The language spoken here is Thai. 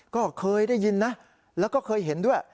ก็เคยได้ยินนะแล้วก็เคยเห็นด้วย